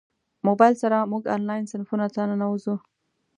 موبایل سره موږ انلاین صنفونو ته ننوځو.